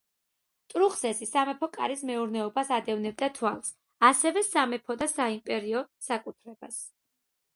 ტრუხზესი სამეფო კარის მეურნეობას ადევნებდა თვალს, ასევე სამეფო და საიმპერიო საკუთრებას.